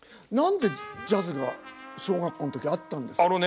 何でジャズが小学校の時あったんですか？